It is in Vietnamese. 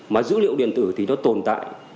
mà dữ liệu điện tử thì nó tồn tại